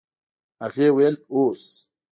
هغې وويل اوس.